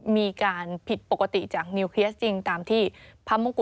มีการผิดปกติจาก